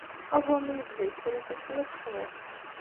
Aḍu-nni yebda yettrusu cwiṭ, cwiṭ.